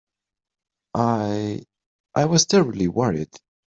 I—I was terribly worried.